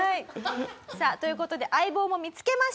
さあという事で相棒も見つけました。